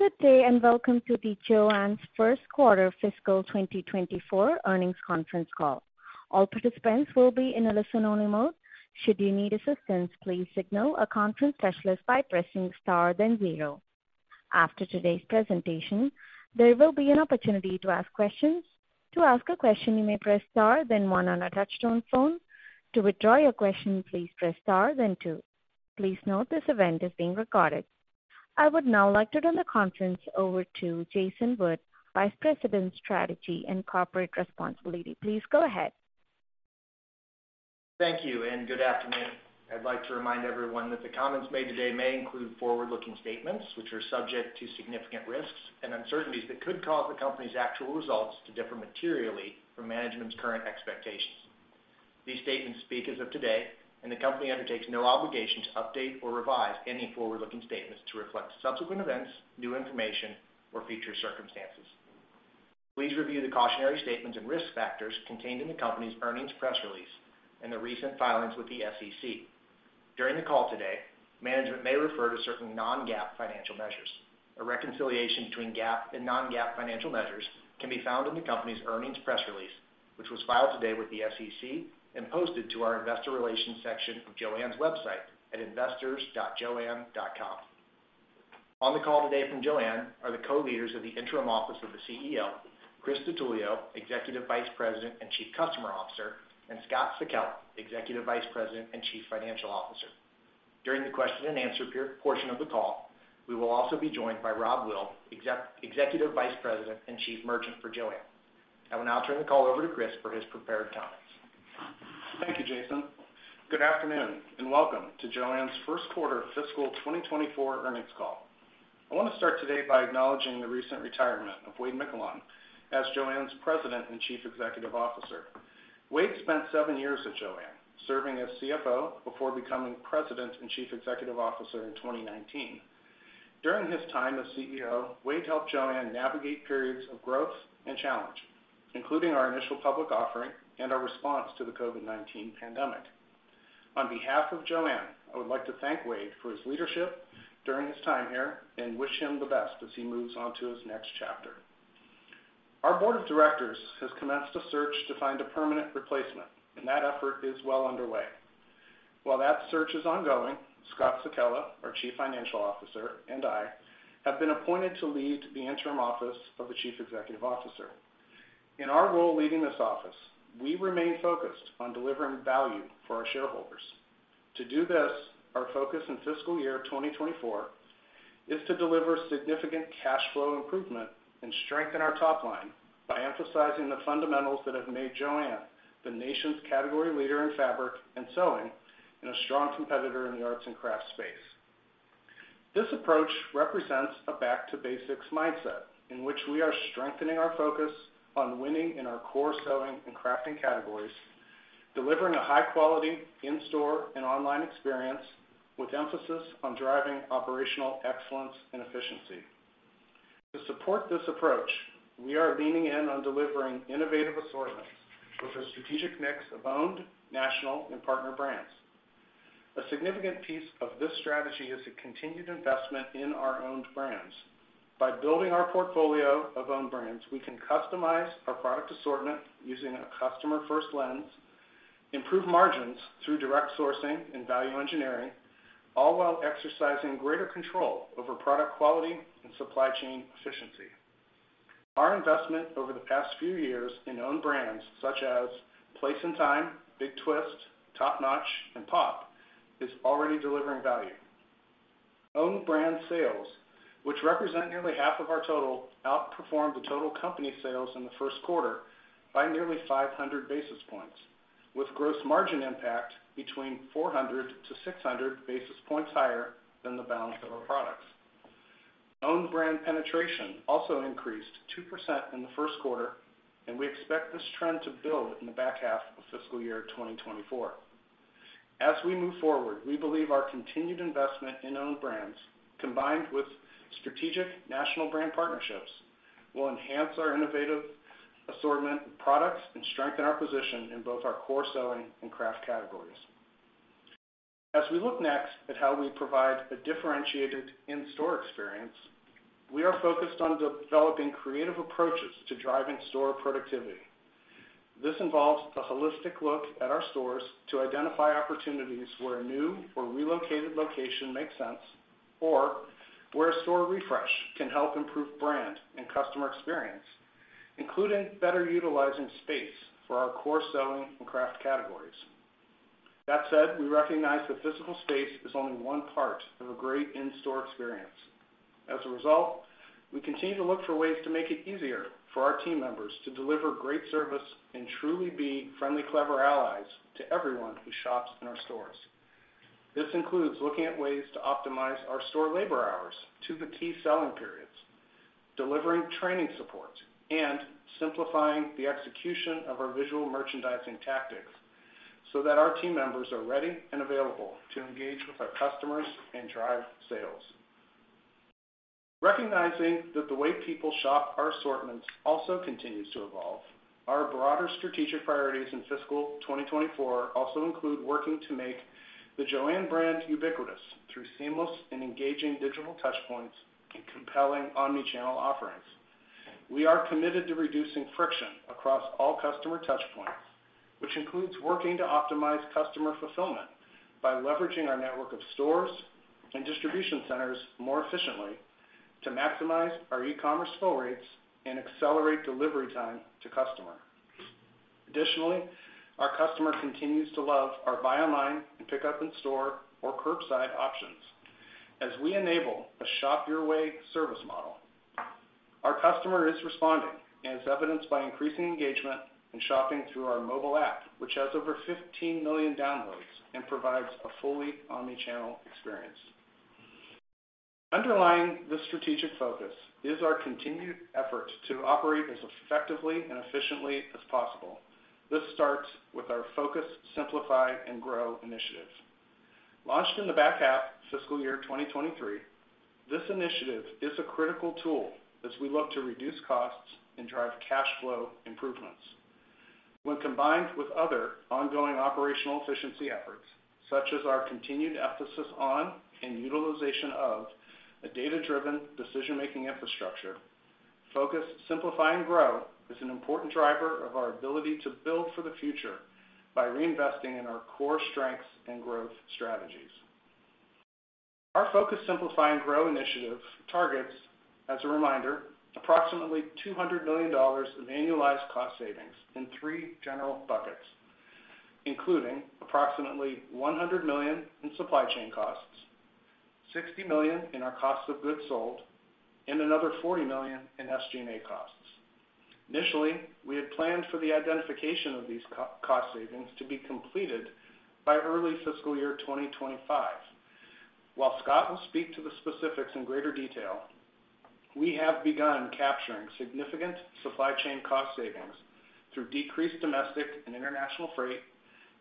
Good day, and welcome to the JOANN's first quarter fiscal 2024 earnings conference call. All participants will be in a listen-only mode. Should you need assistance, please signal a conference specialist by pressing Star then zero. After today's presentation, there will be an opportunity to ask questions. To ask a question, you may press Star then one on a touchtone phone. To withdraw your question, please press Star then two. Please note this event is being recorded. I would now like to turn the conference over to Jason Wood, Vice President, Strategy and Corporate Responsibility. Please go ahead. Thank you, and good afternoon. I'd like to remind everyone that the comments made today may include forward-looking statements, which are subject to significant risks and uncertainties that could cause the company's actual results to differ materially from management's current expectations. These statements speak as of today, and the company undertakes no obligation to update or revise any forward-looking statements to reflect subsequent events, new information, or future circumstances. Please review the cautionary statements and risk factors contained in the company's earnings press release and the recent filings with the SEC. During the call today, management may refer to certain non-GAAP financial measures. A reconciliation between GAAP and non-GAAP financial measures can be found in the company's earnings press release, which was filed today with the SEC and posted to our investor relations section of JOANN's website at investors.joann.com. On the call today from JOANN are the co-leaders of the interim office of the CEO, Chris DiTullio, Executive Vice President and Chief Customer Officer, and Scott Sekella, Executive Vice President and Chief Financial Officer. During the question-and-answer portion of the call, we will also be joined by Rob Will, Executive Vice President and Chief Merchant for JOANN. I will now turn the call over to Chris for his prepared comments. Thank you, Jason. Good afternoon, and welcome to JOANN's first quarter fiscal 2024 earnings call. I want to start today by acknowledging the recent retirement of Wade Miquelon as JOANN's President and Chief Executive Officer. Wade spent 7 years at JOANN, serving as CFO before becoming President and Chief Executive Officer in 2019. During his time as CEO, Wade helped JOANN navigate periods of growth and challenge, including our initial public offering and our response to the COVID-19 pandemic. On behalf of JOANN, I would like to thank Wade for his leadership during his time here and wish him the best as he moves on to his next chapter. Our board of directors has commenced a search to find a permanent replacement, and that effort is well underway. While that search is ongoing, Scott Sekella, our Chief Financial Officer, and I, have been appointed to lead the interim office of the Chief Executive Officer. In our role leading this office, we remain focused on delivering value for our shareholders. To do this, our focus in fiscal year 2024 is to deliver significant cash flow improvement and strengthen our top line by emphasizing the fundamentals that have made JOANN the nation's category leader in fabric and sewing and a strong competitor in the arts and crafts space. This approach represents a back-to-basics mindset in which we are strengthening our focus on winning in our core sewing and crafting categories, delivering a high quality in-store and online experience with emphasis on driving operational excellence and efficiency. To support this approach, we are leaning in on delivering innovative assortments with a strategic mix of owned, national, and partner brands. A significant piece of this strategy is a continued investment in our owned brands. By building our portfolio of owned brands, we can customize our product assortment using a customer-first lens, improve margins through direct sourcing and value engineering, all while exercising greater control over product quality and supply chain efficiency. Our investment over the past few years in owned brands, such as Place & Time, Big Twist, Top Notch, and POP!, is already delivering value. Owned brand sales, which represent nearly half of our total, outperformed the total company sales in the first quarter by nearly 500 basis points, with gross margin impact between 400-600 basis points higher than the balance of our products. Owned brand penetration also increased 2% in the first quarter, and we expect this trend to build in the back half of fiscal year 2024. As we move forward, we believe our continued investment in owned brands, combined with strategic national brand partnerships, will enhance our innovative assortment of products and strengthen our position in both our core sewing and craft categories. As we look next at how we provide a differentiated in-store experience, we are focused on developing creative approaches to driving store productivity. This involves a holistic look at our stores to identify opportunities where a new or relocated location makes sense, or where a store refresh can help improve brand and customer experience, including better utilizing space for our core sewing and craft categories. That said, we recognize that physical space is only one part of a great in-store experience. As a result, we continue to look for ways to make it easier for our team members to deliver great service and truly be friendly, clever allies to everyone who shops in our stores. This includes looking at ways to optimize our store labor hours to the key selling periods, delivering training support, and simplifying the execution of our visual merchandising tactics so that our team members are ready and available to engage with our customers and drive sales. Recognizing that the way people shop our assortments also continues to evolve, our broader strategic priorities in Fiscal 2024 also include working to make the JOANN brand ubiquitous through seamless and engaging digital touchpoints and compelling omnichannel offerings. We are committed to reducing friction across all customer touch points, which includes working to optimize customer fulfillment by leveraging our network of stores and distribution centers more efficiently to maximize our e-commerce fill rates and accelerate delivery time to customer. Our customer continues to love our buy online and pickup in store or curbside options as we enable a shop your way service model. Our customer is responding, as evidenced by increasing engagement and shopping through our mobile app, which has over 15 million downloads and provides a fully omni-channel experience. Underlying this strategic focus is our continued effort to operate as effectively and efficiently as possible. This starts with our Focus, Simplify, and Grow initiative. Launched in the back half fiscal year 2023, this initiative is a critical tool as we look to reduce costs and drive cash flow improvements. When combined with other ongoing operational efficiency efforts, such as our continued emphasis on and utilization of a data-driven decision-making infrastructure, Focus, Simplify, and Grow is an important driver of our ability to build for the future by reinvesting in our core strengths and growth strategies. Our Focus, Simplify, and Grow initiative targets, as a reminder, approximately $200 million of annualized cost savings in three general buckets, including approximately $100 million in supply chain costs, $60 million in our cost of goods sold, and another $40 million in SG&A costs. Initially, we had planned for the identification of these cost savings to be completed by early fiscal year 2025. While Scott will speak to the specifics in greater detail, we have begun capturing significant supply chain cost savings through decreased domestic and international freight,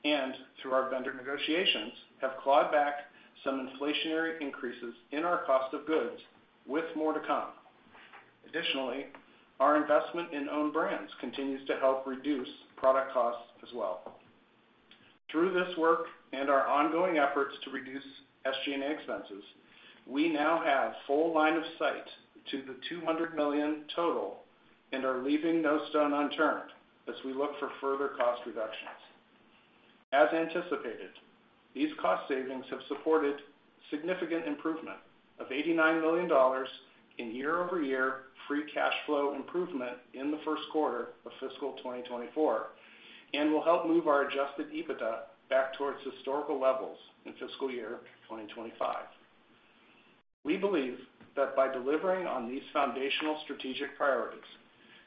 and through our vendor negotiations, have clawed back some inflationary increases in our cost of goods with more to come. Additionally, our investment in own brands continues to help reduce product costs as well. Through this work and our ongoing efforts to reduce SG&A expenses, we now have full line of sight to the $200 million total and are leaving no stone unturned as we look for further cost reductions. As anticipated, these cost savings have supported significant improvement of $89 million in year-over-year free cash flow improvement in the first quarter of Fiscal 2024, and will help move our adjusted EBITDA back towards historical levels in fiscal year 2025. We believe that by delivering on these foundational strategic priorities,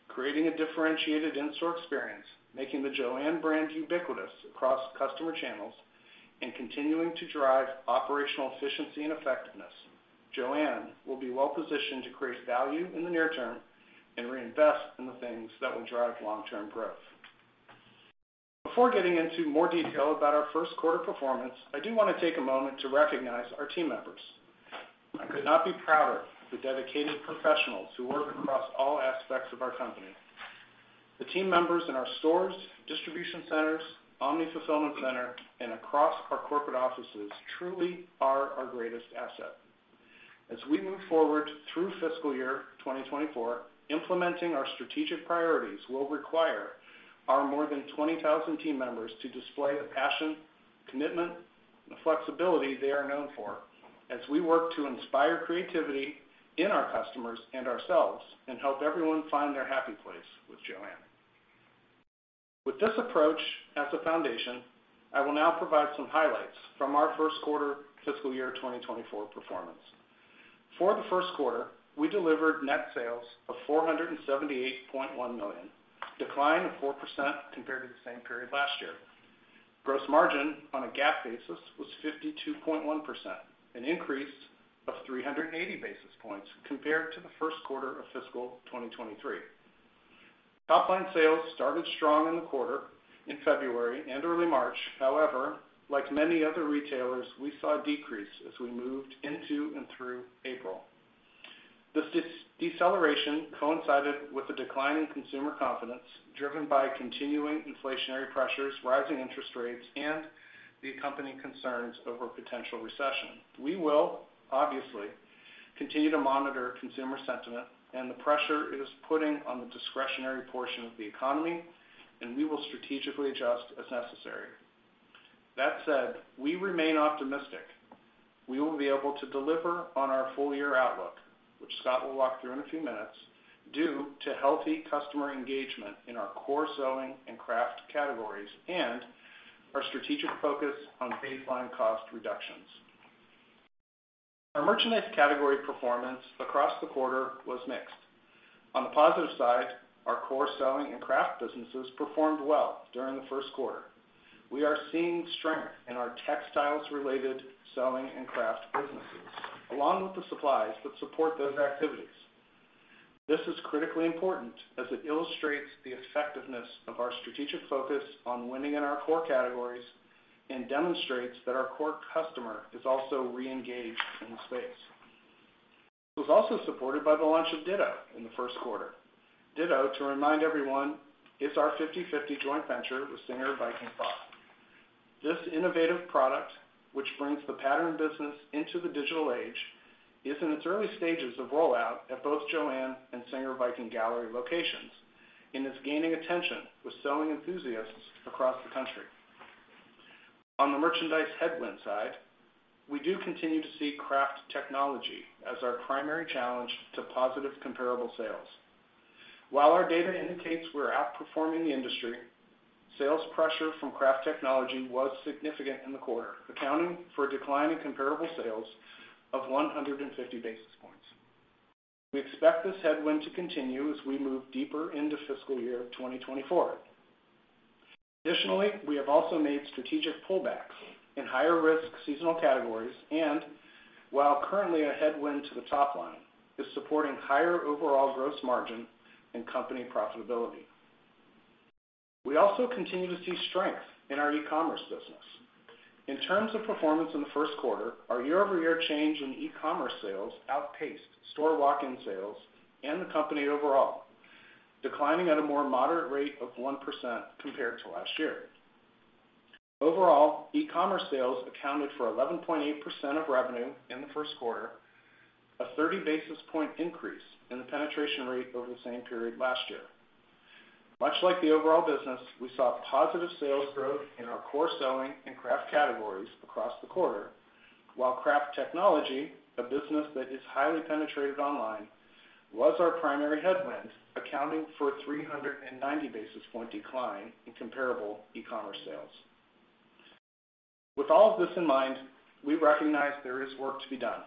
creating a differentiated in-store experience, making the JOANN brand ubiquitous across customer channels, and continuing to drive operational efficiency and effectiveness, JOANN will be well positioned to create value in the near-term and reinvest in the things that will drive long-term growth. Before getting into more detail about our first quarter performance, I do want to take a moment to recognize our team members. I could not be prouder of the dedicated professionals who work across all aspects of our company. The team members in our stores, distribution centers, omni-fulfillment center, and across our corporate offices truly are our greatest asset. As we move forward through fiscal year 2024, implementing our strategic priorities will require our more than 20,000 team members to display the passion, commitment, and flexibility they are known for, as we work to inspire creativity in our customers and ourselves and help everyone find their happy place with JOANN. With this approach as a foundation, I will now provide some highlights from our first quarter fiscal year 2024 performance. For the first quarter, we delivered net sales of $478.1 million, a decline of 4% compared to the same period last year. Gross margin on a GAAP basis was 52.1%, an increase of 380 basis points compared to the first quarter of fiscal 2023. Top-line sales started strong in the quarter in February and early March. However, like many other retailers, we saw a decrease as we moved into and through April. This deceleration coincided with a decline in consumer confidence, driven by continuing inflationary pressures, rising interest rates, and the accompanying concerns over potential recession. We will obviously continue to monitor consumer sentiment and the pressure it is putting on the discretionary portion of the economy, and we will strategically adjust as necessary. That said, we remain optimistic we will be able to deliver on our full-year outlook, which Scott will walk through in a few minutes, due to healthy customer engagement in our core sewing and craft categories and our strategic focus on baseline cost reductions. Our merchandise category performance across the quarter was mixed. On the positive side, our core sewing and craft businesses performed well during the first quarter. We are seeing strength in our textiles-related sewing and craft businesses, along with the supplies that support those activities. This is critically important as it illustrates the effectiveness of our strategic focus on winning in our core categories and demonstrates that our core customer is also reengaged in the space. It was also supported by the launch of Ditto in the first quarter. Ditto, to remind everyone, is our 50/50 joint venture with SINGER Viking Pro. This innovative product, which brings the pattern business into the digital age, is in its early stages of rollout at both JOANN and SINGER Viking Gallery locations and is gaining attention with sewing enthusiasts across the country. On the merchandise headwind side, we do continue to see craft technology as our primary challenge to positive comparable sales. While our data indicates we're outperforming the industry, sales pressure from craft technology was significant in the quarter, accounting for a decline in comparable sales of 150 basis points. We expect this headwind to continue as we move deeper into fiscal year 2024. We have also made strategic pullbacks in higher-risk seasonal categories and, while currently a headwind to the top line, is supporting higher overall gross margin and company profitability. We also continue to see strength in our e-commerce business. In terms of performance in the first quarter, our year-over-year change in e-commerce sales outpaced store walk-in sales and the company overall, declining at a more moderate rate of 1% compared to last year. Overall, e-commerce sales accounted for 11.8% of revenue in the first quarter, a 30 basis point increase in the penetration rate over the same period last year. Much like the overall business, we saw positive sales growth in our core sewing and craft categories across the quarter, while craft technology, a business that is highly penetrated online, was our primary headwind, accounting for a 390 basis point decline in comparable e-commerce sales. With all of this in mind, we recognize there is work to be done.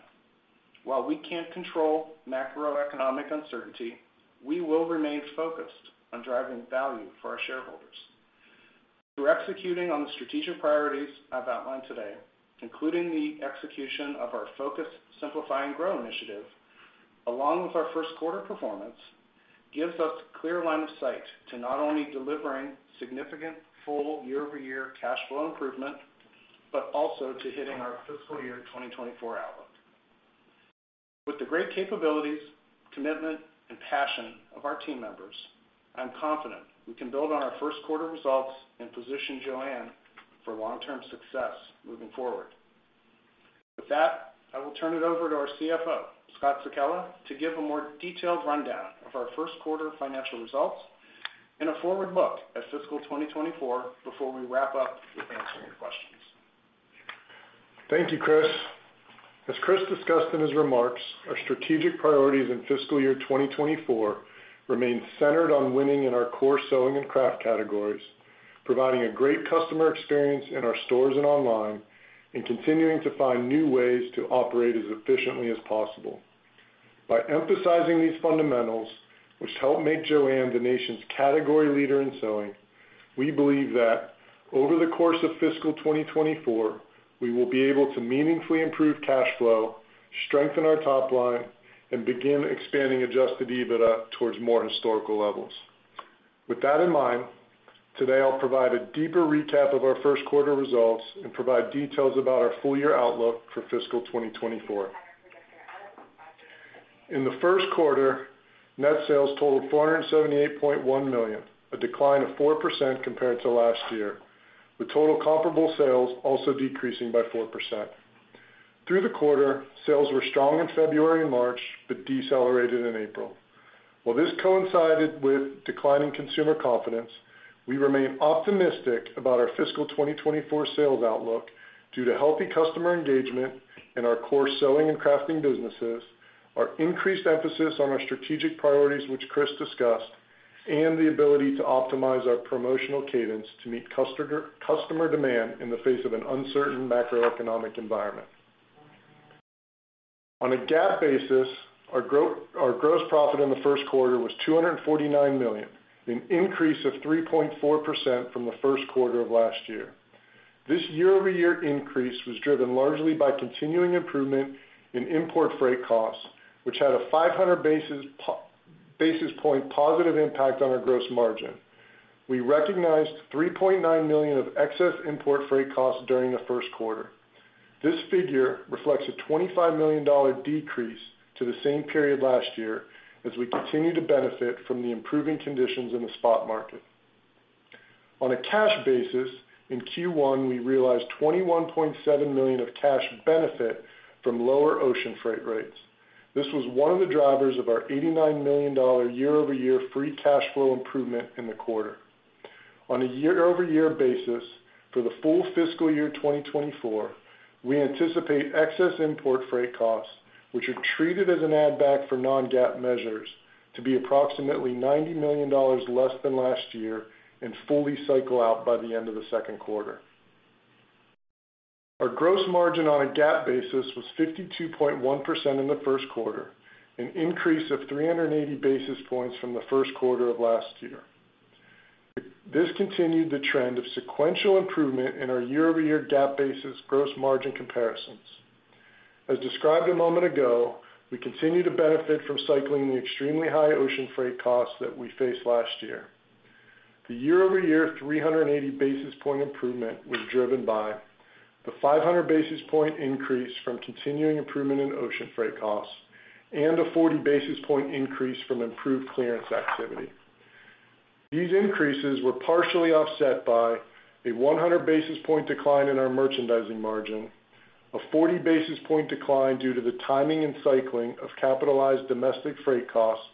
While we can't control macroeconomic uncertainty, we will remain focused on driving value for our shareholders. Through executing on the strategic priorities I've outlined today, including the execution of our Focus, Simplify and Grow initiative, along with our first quarter performance, gives us clear line of sight to not only delivering significant full year-over-year cash flow improvement, but also to hitting our fiscal year 2024 outlook. With the great capabilities, commitment, and passion of our team members, I'm confident we can build on our first quarter results and position JOANN for long-term success moving forward. With that, I will turn it over to our CFO, Scott Sekella, to give a more detailed rundown of our first quarter financial results and a forward look at fiscal 2024 before we wrap up with answering questions. Thank you, Chris. As Chris discussed in his remarks, our strategic priorities in fiscal year 2024 remain centered on winning in our core sewing and craft categories, providing a great customer experience in our stores and online, and continuing to find new ways to operate as efficiently as possible. By emphasizing these fundamentals, which help make JOANN the nation's category leader in sewing, we believe that over the course of Fiscal 2024, we will be able to meaningfully improve cash flow, strengthen our top line, and begin expanding adjusted EBITDA towards more historical levels. With that in mind, today, I'll provide a deeper recap of our first quarter results and provide details about our full year outlook for Fiscal 2024. In the first quarter, net sales totaled $478.1 million, a decline of 4% compared to last year, with total comparable sales also decreasing by 4%. Through the quarter, sales were strong in February and March, but decelerated in April. While this coincided with declining consumer confidence, we remain optimistic about our fiscal 2024 sales outlook due to healthy customer engagement in our core sewing and crafting businesses, our increased emphasis on our strategic priorities, which Chris discussed, and the ability to optimize our promotional cadence to meet customer demand in the face of an uncertain macroeconomic environment. On a GAAP basis, our gross profit in the first quarter was $249 million, an increase of 3.4% from the first quarter of last year. This year-over-year increase was driven largely by continuing improvement in import freight costs, which had a 500 basis point positive impact on our gross margin. We recognized $3.9 million of excess import freight costs during the first quarter. This figure reflects a $25 million decrease to the same period last year as we continue to benefit from the improving conditions in the spot market. On a cash basis, in Q1, we realized $21.7 million of cash benefit from lower ocean freight rates. This was one of the drivers of our $89 million year-over-year free cash flow improvement in the quarter. On a year-over-year basis, for the full fiscal year 2024, we anticipate excess import freight costs, which are treated as an add-back for non-GAAP measures, to be approximately $90 million less than last year and fully cycle out by the end of the second quarter. Our gross margin on a GAAP basis was 52.1% in the first quarter, an increase of 380 basis points from the first quarter of last year. This continued the trend of sequential improvement in our year-over-year GAAP basis gross margin comparisons. As described a moment ago, we continue to benefit from cycling the extremely high ocean freight costs that we faced last year. The year-over-year 380 basis point improvement was driven by:... the 500 basis point increase from continuing improvement in ocean freight costs and a 40 basis point increase from improved clearance activity. These increases were partially offset by a 100 basis point decline in our merchandising margin, a 40 basis point decline due to the timing and cycling of capitalized domestic freight costs,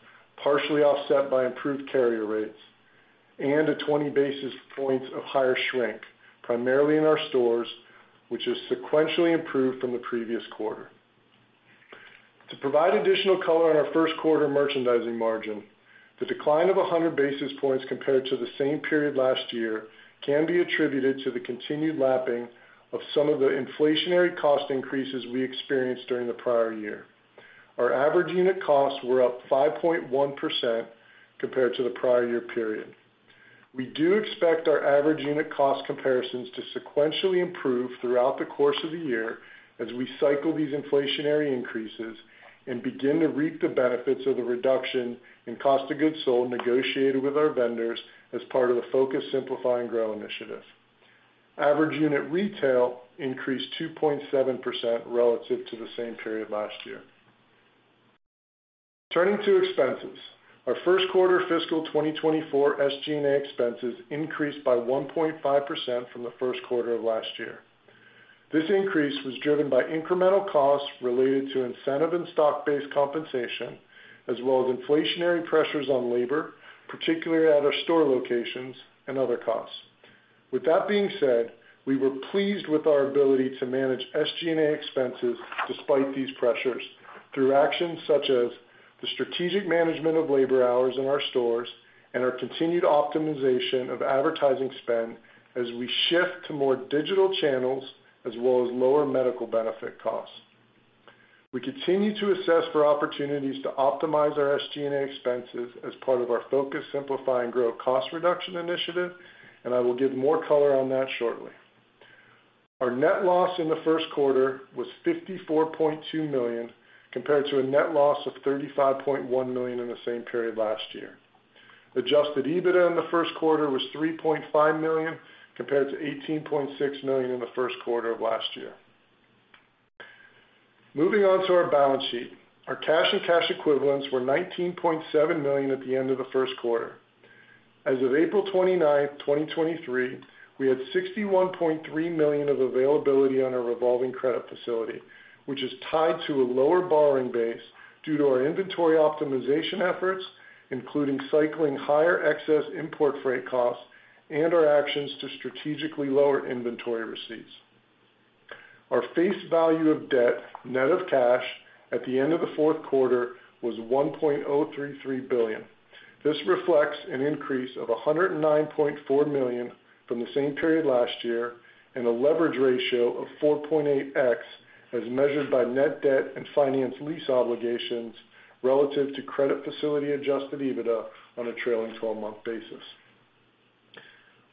partially offset by improved carrier rates, and a 20 basis points of higher shrink, primarily in our stores, which has sequentially improved from the previous quarter. To provide additional color on our first quarter merchandising margin, the decline of 100 basis points compared to the same period last year can be attributed to the continued lapping of some of the inflationary cost increases we experienced during the prior year. Our average unit costs were up 5.1% compared to the prior year period. We do expect our average unit cost comparisons to sequentially improve throughout the course of the year as we cycle these inflationary increases and begin to reap the benefits of the reduction in COGS, negotiated with our vendors as part of the Focus, Simplify, and Grow initiative. Average unit retail increased 2.7% relative to the same period last year. Turning to expenses. Our first quarter Fiscal 2024 SG&A expenses increased by 1.5% from the first quarter of last year. This increase was driven by incremental costs related to incentive and stock-based compensation, as well as inflationary pressures on labor, particularly at our store locations and other costs. With that being said, we were pleased with our ability to manage SG&A expenses despite these pressures, through actions such as the strategic management of labor hours in our stores and our continued optimization of advertising spend as we shift to more digital channels, as well as lower medical benefit costs. We continue to assess for opportunities to optimize our SG&A expenses as part of our Focus, Simplify, and Grow cost reduction initiative, and I will give more color on that shortly. Our net loss in the first quarter was $54.2 million, compared to a net loss of $35.1 million in the same period last year. adjusted EBITDA in the first quarter was $3.5 million, compared to $18.6 million in the first quarter of last year. Moving on to our balance sheet. Our cash and cash equivalents were $19.7 million at the end of the first quarter. As of April 29, 2023, we had $61.3 million of availability on our revolving credit facility, which is tied to a lower borrowing base due to our inventory optimization efforts, including cycling higher excess import freight costs and our actions to strategically lower inventory receipts. Our face value of debt, net of cash, at the end of the fourth quarter, was $1.033 billion. This reflects an increase of $109.4 million from the same period last year, and a leverage ratio of 4.8x, as measured by net debt and finance lease obligations relative to credit facility adjusted EBITDA on a trailing twelve-month basis.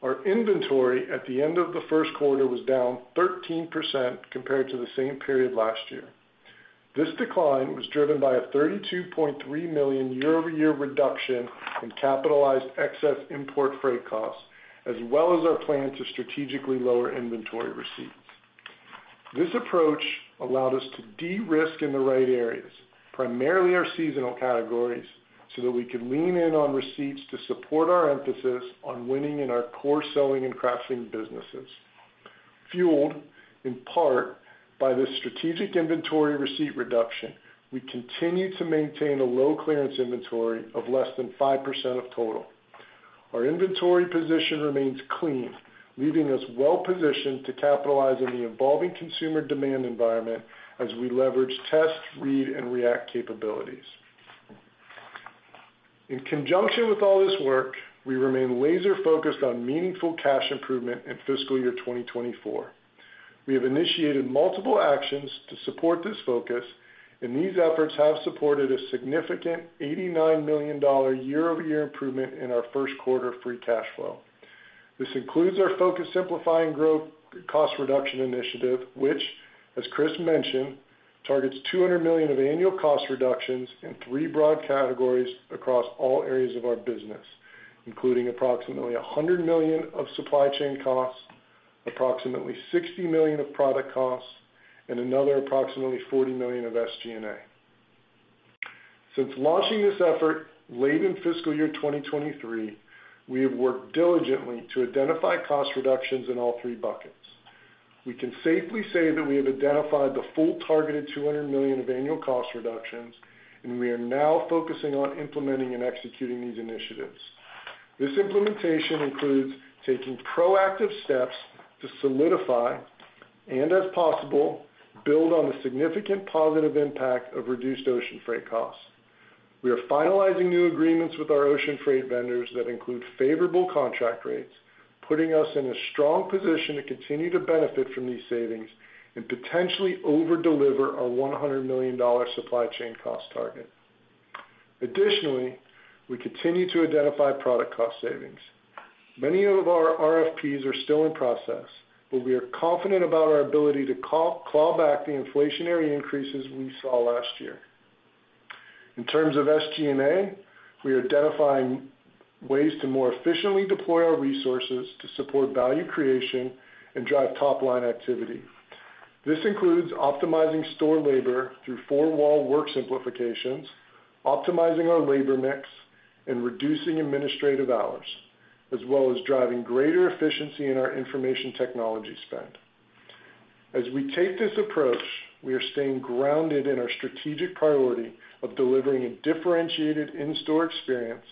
Our inventory at the end of the first quarter was down 13% compared to the same period last year. This decline was driven by a $32.3 million year-over-year reduction in capitalized excess import freight costs, as well as our plan to strategically lower inventory receipts. This approach allowed us to de-risk in the right areas, primarily our seasonal categories, so that we could lean in on receipts to support our emphasis on winning in our core Sewing and Crafting businesses. Fueled, in part, by this strategic inventory receipt reduction, we continue to maintain a low clearance inventory of less than 5% of total. Our inventory position remains clean, leaving us well positioned to capitalize on the evolving consumer demand environment as we leverage, test, read, and react capabilities. In conjunction with all this work, we remain laser-focused on meaningful cash improvement in fiscal year 2024. We have initiated multiple actions to support this focus, and these efforts have supported a significant $89 million year-over-year improvement in our first quarter free cash flow. This includes our Focus, Simplify, and Grow cost reduction initiative, which, as Chris mentioned, targets $200 million of annual cost reductions in three broad categories across all areas of our business, including approximately $100 million of supply chain costs, approximately $60 million of product costs, and another approximately $40 million of SG&A. Since launching this effort late in fiscal year 2023, we have worked diligently to identify cost reductions in all three buckets. We can safely say that we have identified the full targeted $200 million of annual cost reductions, and we are now focusing on implementing and executing these initiatives. This implementation includes taking proactive steps to solidify and, as possible, build on the significant positive impact of reduced ocean freight costs. We are finalizing new agreements with our ocean freight vendors that include favorable contract rates, putting us in a strong position to continue to benefit from these savings and potentially over-deliver our $100 million supply chain cost target. We continue to identify product cost savings. Many of our RFPs are still in process, but we are confident about our ability to claw back the inflationary increases we saw last year. In terms of SG&A, we are identifying ways to more efficiently deploy our resources to support value creation and drive top-line activity. This includes optimizing store labor through four-wall work simplifications, optimizing our labor mix, and reducing administrative hours, as well as driving greater efficiency in our information technology spend. As we take this approach, we are staying grounded in our strategic priority of delivering a differentiated in-store experience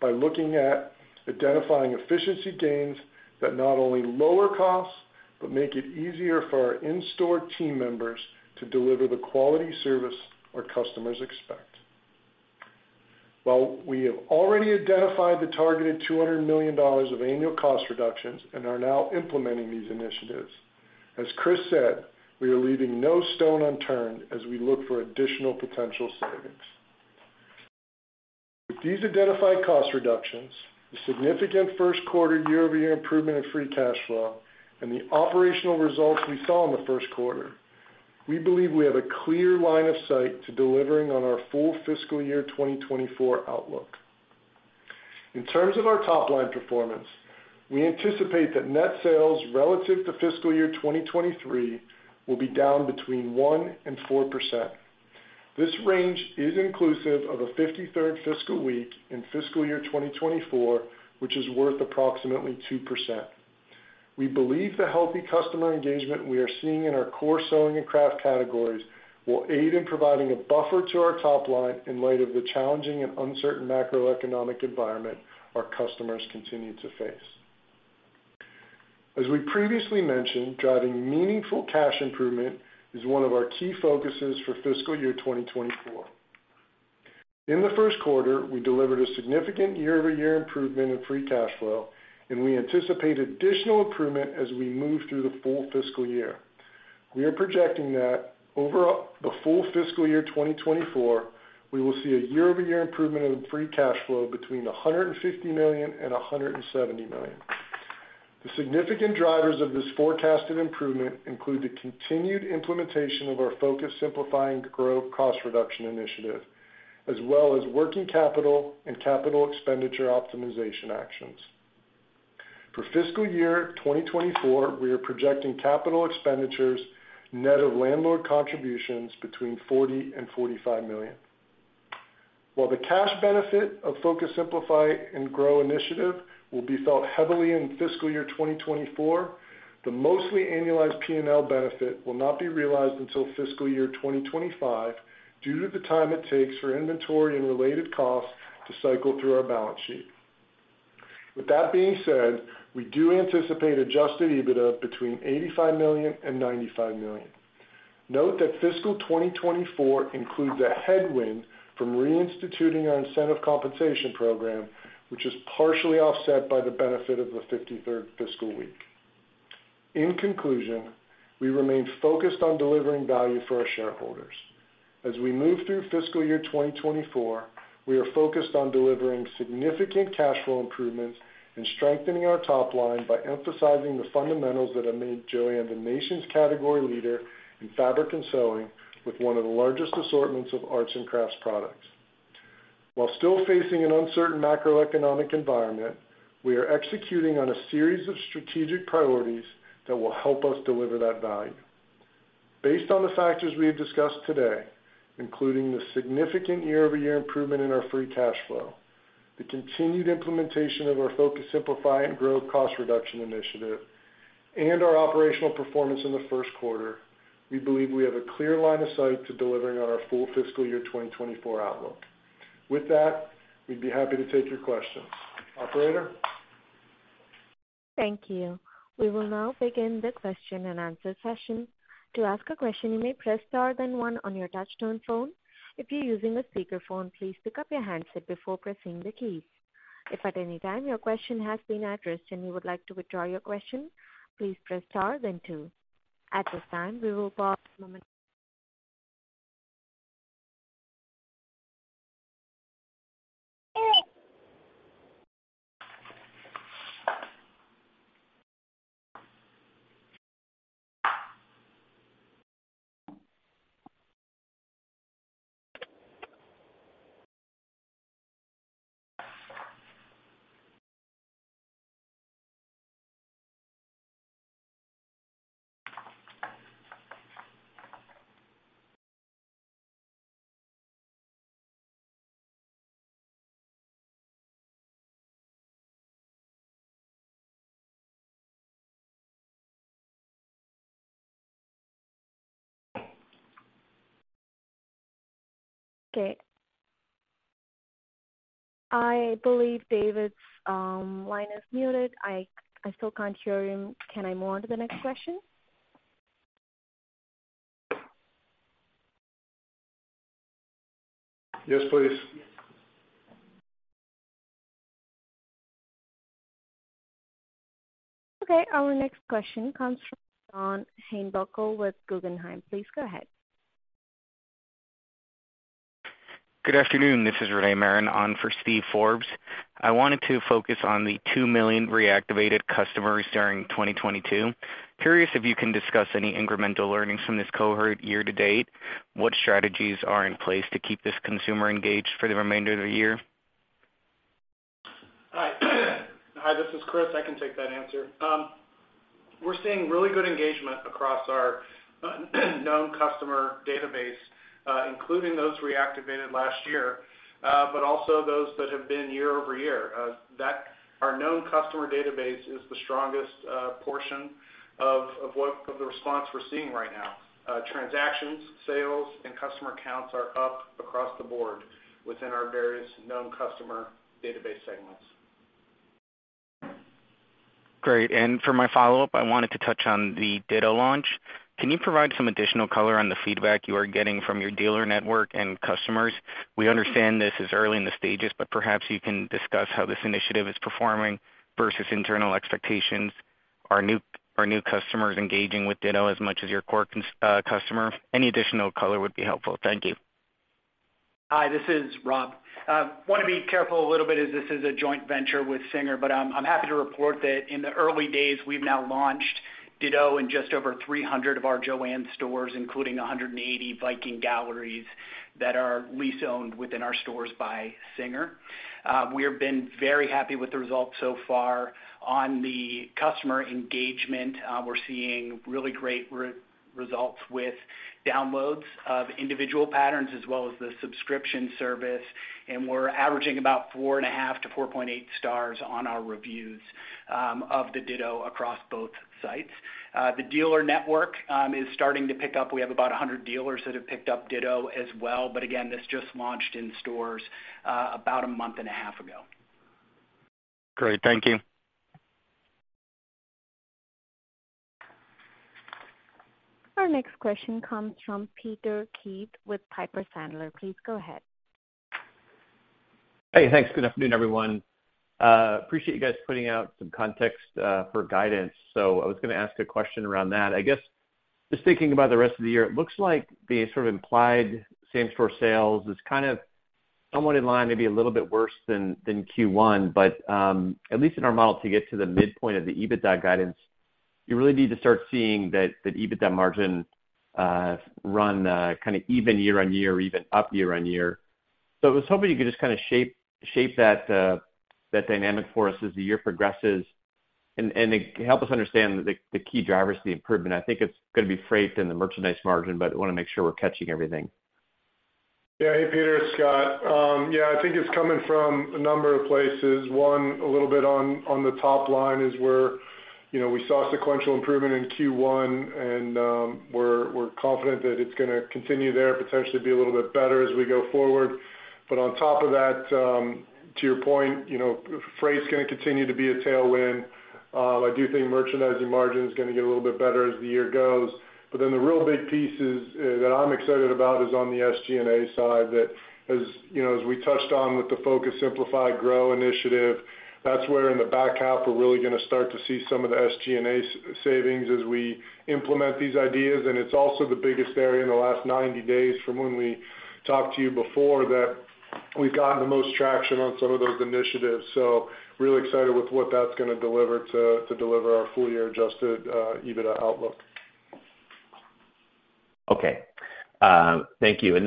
by looking at identifying efficiency gains that not only lower costs, but make it easier for our in-store team members to deliver the quality service our customers expect. While we have already identified the targeted $200 million of annual cost reductions and are now implementing these initiatives, as Chris said, we are leaving no stone unturned as we look for additional potential savings. With these identified cost reductions, the significant first quarter year-over-year improvement in free cash flow, and the operational results we saw in the first quarter, we believe we have a clear line of sight to delivering on our full fiscal year 2024 outlook. In terms of our top-line performance, we anticipate that net sales relative to fiscal year 2023 will be down between 1% and 4%. This range is inclusive of a 53rd fiscal week in fiscal year 2024, which is worth approximately 2%. We believe the healthy customer engagement we are seeing in our core sewing and craft categories will aid in providing a buffer to our top line in light of the challenging and uncertain macroeconomic environment our customers continue to face. As we previously mentioned, driving meaningful cash improvement is one of our key focuses for fiscal year 2024. In the first quarter, we delivered a significant year-over-year improvement in free cash flow, and we anticipate additional improvement as we move through the full fiscal year. We are projecting that over the full fiscal year 2024, we will see a year-over-year improvement in free cash flow between $150 million and $170 million. The significant drivers of this forecasted improvement include the continued implementation of our Focus, Simplify, and Grow cost reduction initiative, as well as working capital and capital expenditure optimization actions. For fiscal year 2024, we are projecting capital expenditures net of landlord contributions between $40 million and $45 million. While the cash benefit of Focus, Simplify, and Grow initiative will be felt heavily in fiscal year 2024, the mostly annualized P&L benefit will not be realized until fiscal year 2025, due to the time it takes for inventory and related costs to cycle through our balance sheet. With that being said, we do anticipate adjusted EBITDA between $85 million and $95 million. Note that fiscal 2024 includes a headwind from reinstituting our incentive compensation program, which is partially offset by the benefit of the 53rd fiscal week. In conclusion, we remain focused on delivering value for our shareholders. As we move through fiscal year 2024, we are focused on delivering significant cash flow improvements and strengthening our top line by emphasizing the fundamentals that have made JOANN the nation's category leader in fabric and sewing, with one of the largest assortments of arts and crafts products. While still facing an uncertain macroeconomic environment, we are executing on a series of strategic priorities that will help us deliver that value. Based on the factors we have discussed today, including the significant year-over-year improvement in our free cash flow, the continued implementation of our Focus, Simplify, and Grow cost reduction initiative, and our operational performance in the first quarter, we believe we have a clear line of sight to delivering on our full fiscal year 2024 outlook. We'd be happy to take your questions. Operator? Thank you. We will now begin the question-and-answer session. To ask a question, you may press Star then one on your touchtone phone. If you're using a speakerphone, please pick up your handset before pressing the keys. If at any time your question has been addressed and you would like to withdraw your question, please press Star then two. At this time, we will pause for a moment. Okay. I believe David's line is muted. I still can't hear him. Can I move on to the next question? Yes, please. Our next question comes` from Steve Forbes with Guggenheim. Please go ahead. Good afternoon. This is Rene Marin on for Steve Forbes. I wanted to focus on the 2 million reactivated customers during 2022. Curious if you can discuss any incremental learnings from this cohort year-to-date. What strategies are in place to keep this consumer engaged for the remainder of the year? Hi, this is Chris. I can take that answer. We're seeing really good engagement across our known customer database, including those reactivated last year, but also those that have been year-over-year. Our known customer database is the strongest portion of the response we're seeing right now. Transactions, sales, and customer counts are up across the board within our various known customer database segments. Great. For my follow-up, I wanted to touch on the Ditto launch. Can you provide some additional color on the feedback you are getting from your dealer network and customers? We understand this is early in the stages, perhaps you can discuss how this initiative is performing versus internal expectations. Are new customers engaging with Ditto as much as your core customer? Any additional color would be helpful. Thank you. Hi, this is Rob. wanna be careful a little bit, as this is a joint venture with SINGER, I'm happy to report that in the early days, we've now launched Ditto in just over 300 of our JOANN stores, including 180 Viking Galleries that are lease-owned within our stores by SINGER. We have been very happy with the results so far. On the customer engagement, we're seeing really great re-results with downloads of individual patterns as well as the subscription service, and we're averaging about 4.5 to 4.8 Stars on our reviews of the Ditto across both sites. The dealer network is starting to pick up. We have about 100 dealers that have picked up Ditto as well. Again, this just launched in stores, about a month and a half ago. Great. Thank you. Our next question comes from Peter Keith with Piper Sandler. Please go ahead. Hey, thanks. Good afternoon, everyone. Appreciate you guys putting out some context for guidance. I was gonna ask a question around that. I guess, just thinking about the rest of the year, it looks like the sort of implied same-store sales is kind of somewhat in line, maybe a little bit worse than Q1. At least in our model, to get to the midpoint of the EBITDA guidance, you really need to start seeing that EBITDA margin run kind of even year-on-year or even up year-on-year. I was hoping you could just kind of shape that dynamic for us as the year progresses and help us understand the key drivers to the improvement. I think it's gonna be freight and the merchandise margin, but I wanna make sure we're catching everything. Yeah. Hey, Peter, it's Scott. Yeah, I think it's coming from a number of places. One, a little bit on the top line is where, you know, we saw sequential improvement in Q1, and, we're confident that it's gonna continue there, potentially be a little bit better as we go forward. On top of that, to your point, you know, freight's gonna continue to be a tailwind. I do think merchandising margin is gonna get a little bit better as the year goes. The real big piece is that I'm excited about, is on the SG&A side, that as, you know, as we touched on with the Focus, Simplify, Grow initiative, that's where in the back half, we're really gonna start to see some of the SG&A savings as we implement these ideas. It's also the biggest area in the last 90 days from when we talked to you before, that we've gotten the most traction on some of those initiatives. Really excited with what that's gonna deliver to deliver our full-year adjusted EBITDA outlook. Okay. Thank you.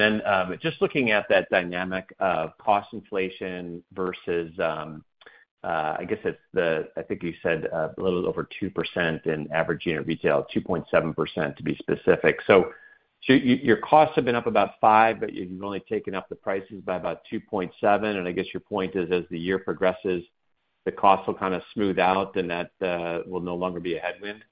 Just looking at that dynamic of cost inflation versus, I think you said, a little over 2% in average unit retail, 2.7%, to be specific. Your costs have been up about 5%, but you've only taken up the prices by about 2.7%, and I guess your point is, as the year progresses, the costs will kind of smooth out, and that will no longer be a headwind?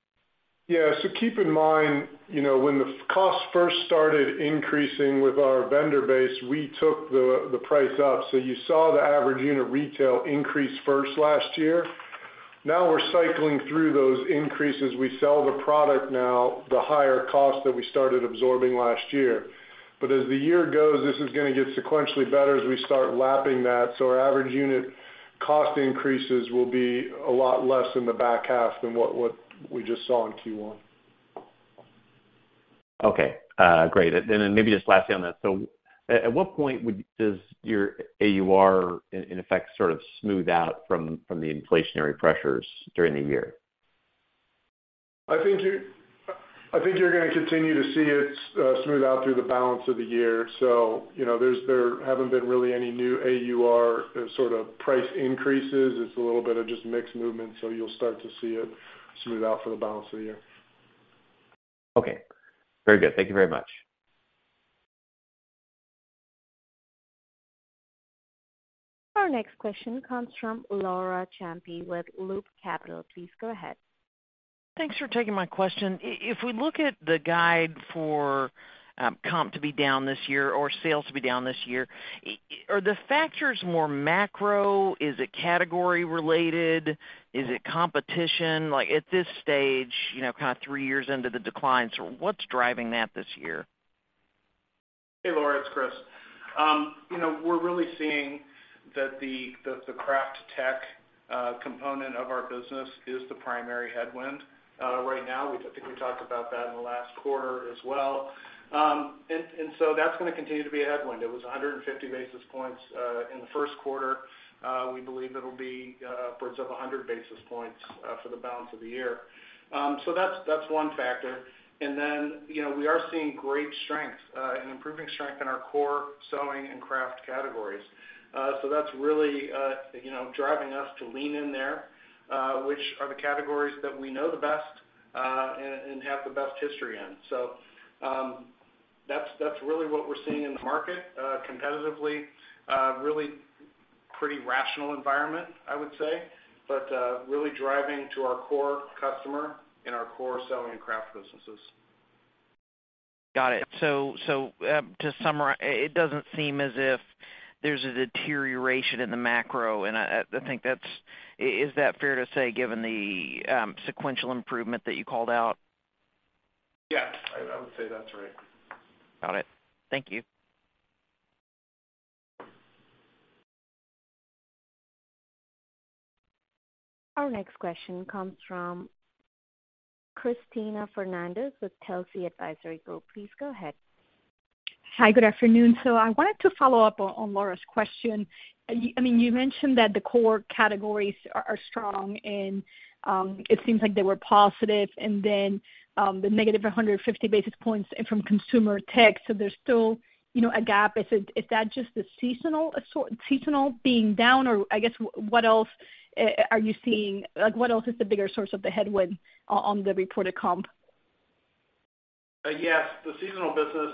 Keep in mind, you know, when the costs first started increasing with our vendor base, we took the price up. You saw the average unit retail increase first, last year. Now we're cycling through those increases. We sell the product now, the higher cost that we started absorbing last year. As the year goes, this is gonna get sequentially better as we start lapping that. Our average unit cost increases will be a lot less in the back half than what we just saw in Q1. Okay, great. Maybe just lastly on that, at what point does your AUR, in effect, sort of smooth out from the inflationary pressures during the year? I think you're gonna continue to see it smooth out through the balance of the year. You know, there haven't been really any new AUR sort of price increases. It's a little bit of just mixed movement, you'll start to see it smooth out for the balance of the year. Okay. Very good. Thank you very much. Our next question comes from Laura Champine with Loop Capital. Please go ahead. Thanks for taking my question. If we look at the guide for, comp to be down this year or sales to be down this year, are the factors more macro? Is it category related? Is it competition? Like, at this stage, you know, kind of three years into the declines, what's driving that this year? Hey, Laura, it's Chris. You know, we're really seeing that the, the craft tech component of our business is the primary headwind right now. I think we talked about that in the last quarter as well. That's gonna continue to be a headwind. It was 150 basis points in the first quarter. We believe it'll be upwards of 100 basis points for the balance of the year. So that's one factor. You know, we are seeing great strength and improving strength in our core Sewing and Craft categories. So that's really, you know, driving us to lean in there, which are the categories that we know the best and have the best history in. That's really what we're seeing in the market, competitively, pretty rational environment, I would say, but really driving to our core customer and our core selling and craft businesses. Got it. To summarize, it doesn't seem as if there's a deterioration in the macro, and is that fair to say, given the sequential improvement that you called out? Yeah, I would say that's right. Got it. Thank you. Our next question comes from Cristina Fernández with Telsey Advisory Group. Please go ahead. Hi, good afternoon. I wanted to follow-up on Laura's question. You, I mean, you mentioned that the core categories are strong, and it seems like they were positive, and then the negative 150 basis points from consumer tech, there's still, you know, a gap. Is that just the seasonal being down? I guess, what else are you seeing like, what else is the bigger source of the headwind on the reported comp? Yes, the seasonal business,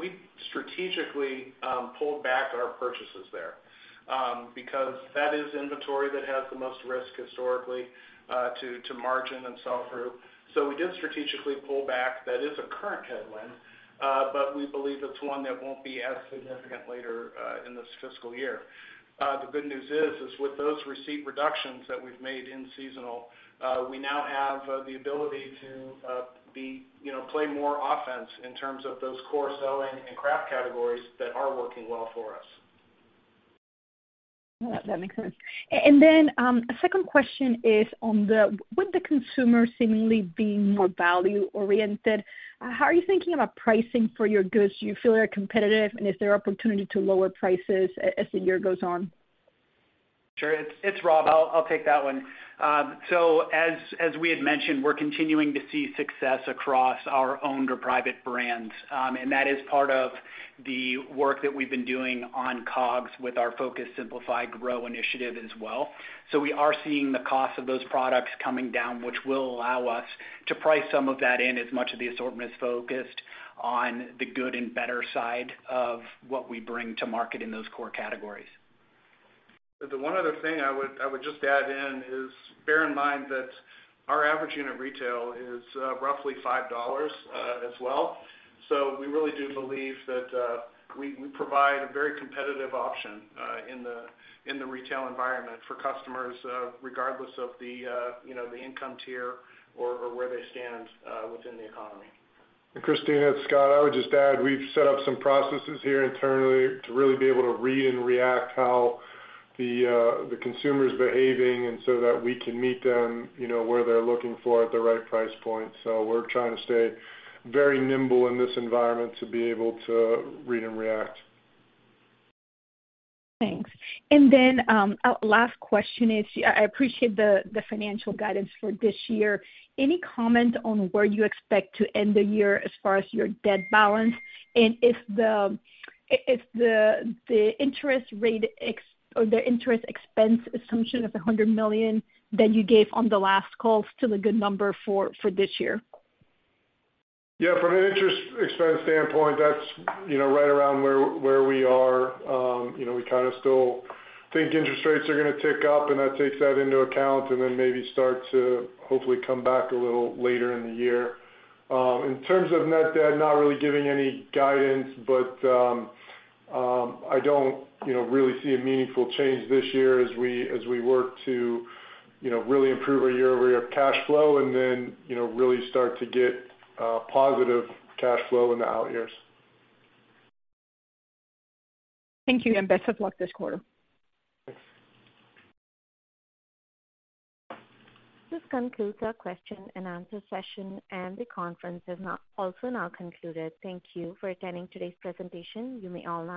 we strategically pulled back our purchases there because that is inventory that has the most risk historically, to margin and sell through. We did strategically pull back. That is a current headwind, we believe it's one that won't be as significant later in this fiscal year. The good news is with those receipt reductions that we've made in seasonal, we now have the ability to be, you know, play more offense in terms of those core selling and craft categories that are working well for us. That makes sense. A second question is with the consumer seemingly being more value oriented, how are you thinking about pricing for your goods? Do you feel you're competitive, and is there opportunity to lower prices as the year goes on? Sure. It's, it's Rob. I'll take that one. As, as we had mentioned, we're continuing to see success across our owned or private brands. That is part of the work that we've been doing on COGS with our Focus, Simplify, and Grow initiative as well. We are seeing the cost of those products coming down, which will allow us to price some of that in as much of the assortment is focused on the good and better side of what we bring to market in those core categories. The one other thing I would just add in is bear in mind that our average unit retail is, roughly $5, as well. We really do believe that, we provide a very competitive option in the retail environment for customers, regardless of the, you know, the income tier or where they stand, within the economy. Cristina, it's Scott. I would just add, we've set up some processes here internally to really be able to read and react how the consumer's behaving, and so that we can meet them, you know, where they're looking for at the right price point. We're trying to stay very nimble in this environment to be able to read and react. Thanks. Last question is, I appreciate the financial guidance for this year. Any comment on where you expect to end the year as far as your debt balance? If the interest rate ex- or the interest expense assumption of $100 million that you gave on the last call, still a good number for this year? From an interest expense standpoint, that's, you know, right around where we are. You know, we kind of still think interest rates are going to tick up, and that takes that into account, and then maybe start to hopefully come back a little later in the year. In terms of net debt, not really giving any guidance, but I don't, you know, really see a meaningful change this year as we work to, you know, really improve our year-over-year cash flow and then, you know, really start to get positive cash flow in the out years. Thank you, and best of luck this quarter. Thanks. This concludes our question-and-answer session, and the conference is now, also now concluded. Thank you for attending today's presentation. You may all now disconnect.